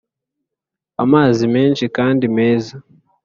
amazi menshi kandi meza